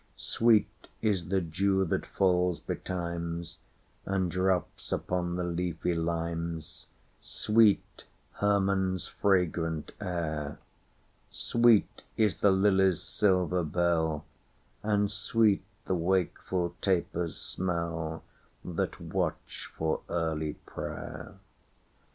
Sweet is the dew that falls betimes, And drops upon the leafy limes; Sweet, Hermon's fragrant air:Sweet is the lily's silver bell, And sweet the wakeful tapers' smellThat watch for early prayer.